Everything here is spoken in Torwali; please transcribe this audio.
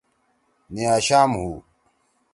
نیاشام ہُو۔